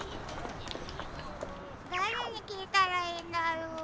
だれにきいたらいいんだろう。